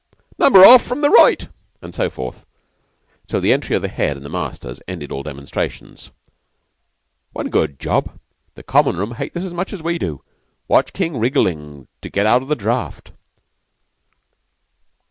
Number off from the right" and so forth, till the entry of the Head and the masters ended all demonstrations. "One good job the Common room hate this as much as we do. Watch King wrigglin' to get out of the draft."